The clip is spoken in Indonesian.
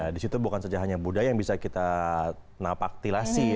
di situ bukan saja hanya budaya yang bisa kita napaktilasi